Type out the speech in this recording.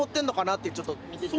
っていうちょっと見てて。